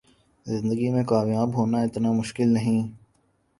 زندگی میں کامیاب ہونا اتنا مشکل نہیں